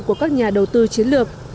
của các nhà đầu tư chiến lược